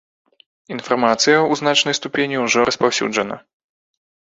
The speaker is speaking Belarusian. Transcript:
Інфармацыя ў значнай ступені ўжо распаўсюджана.